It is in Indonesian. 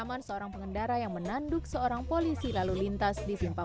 pengemudi yang menanduk polisi lalu lintas